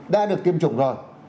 đã được tiêm chủng rồi